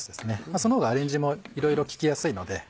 その方がアレンジもいろいろ利きやすいので。